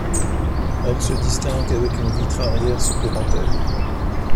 Elle se distingue avec une vitre arrière supplémentaire.